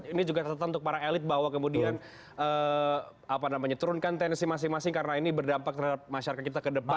ini juga catatan untuk para elit bahwa kemudian turunkan tensi masing masing karena ini berdampak terhadap masyarakat kita ke depan